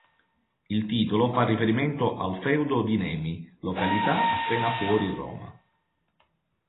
Il titolo fa riferimento al feudo di Nemi, località appena fuori Roma.